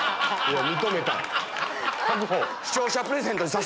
認めた。